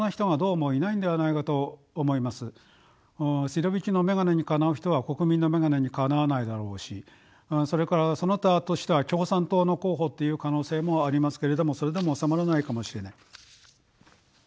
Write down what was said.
シロビキの眼鏡にかなう人は国民の眼鏡にかなわないだろうしそれからその他としては共産党の候補っていう可能性もありますけれどもそれでも収まらないかもしれない。